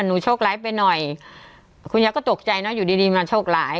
หนูโชคล้ายไปหน่อยคุณยายก็ตกใจน่ะอยู่ดีดีมาโชคหลาย